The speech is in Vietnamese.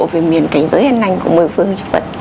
về miền cảnh giới an lành của mười phương